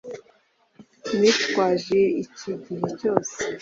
nitwaje iki gihe cyose